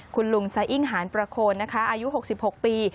คุณลุงสะอิ้งหานประโคนนะคะอายุ๖๖ปี